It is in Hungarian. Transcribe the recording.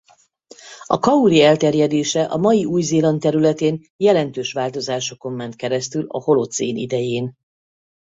A kauri elterjedése a mai Új-Zéland területén jelentős változásokon ment keresztül a holocén idején.